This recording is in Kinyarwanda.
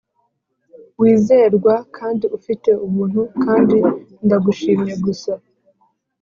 wizerwa kandi ufite ubuntu kandi ndagushimye gusa